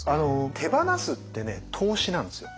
手放すってね投資なんですよ。